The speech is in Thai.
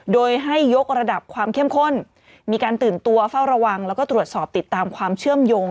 โดยให้ยกระดับความเข้มข้นมีการตื่นตัวเฝ้าระวังแล้วก็ตรวจสอบติดตามความเชื่อมโยง